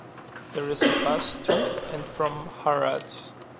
There is a bus to and from Harads.